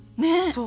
そう。